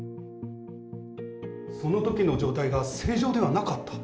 そのときの状態が正常ではなかった？